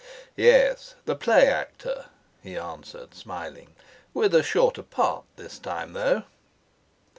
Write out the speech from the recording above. "Yes, the play actor," he answered, smiling. "With a shorter part this time, though."